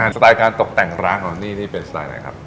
สไตล์การตกแต่งร้านของนี่นี่เป็นสไตล์ไหนครับ